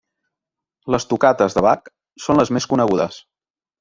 Les tocates de Bach són les més conegudes.